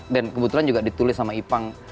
dan kebetulan juga ditulis sama ipang